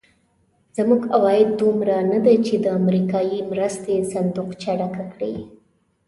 زموږ عواید دومره ندي چې د امریکایي مرستې صندوقچه ډکه کړي.